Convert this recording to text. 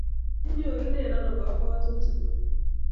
Inyorunen ano kabwatutiguuk?